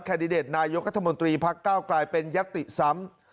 ดิเดตนายกรัฐมนตรีพักเก้ากลายเป็นยัตติซ้ำ